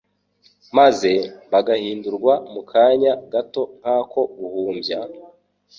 maze "bagahindurwa mu kanya gato nk'ako guhumbya,